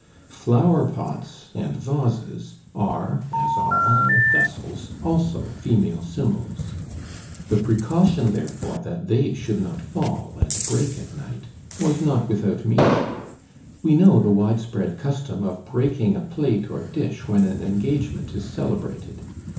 Flowerpots and vases are, as are all vessels, also female symbols. The precaution, therefore, that they should not fall and break at night, was not without meaning. We know the widespread custom of breaking a plate or dish when an engagement is celebrated.